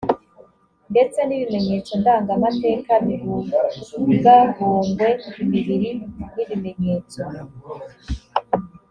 ndetse n’ibimenyetso ndangamateka bibungabungwe imibiri n’ibimenyetso